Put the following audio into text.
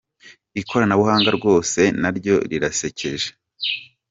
Ikoranabuhanga rwose naryo rirasekeje.